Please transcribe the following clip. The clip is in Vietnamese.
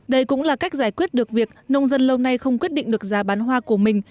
đây cũng là cách giải quyết được việc nông dân lâu nay không quyết định được giá bán hoa của mình